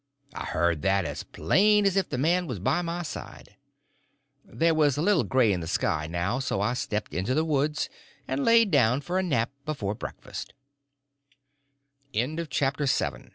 I heard that just as plain as if the man was by my side. There was a little gray in the sky now; so I stepped into the woods, and laid down for a nap before b